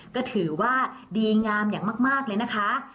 ก็ถือว่าดีงามอย่างมากเลยนะคะ